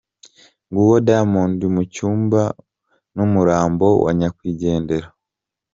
Nguwo Diamond mu cyumba n'umurambo wa nyakwigendera.